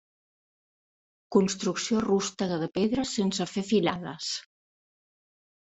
Construcció rústega de pedres sense fer filades.